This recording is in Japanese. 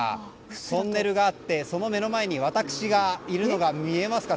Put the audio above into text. トンネルがあって、その目の前に私がいるのが見えますか。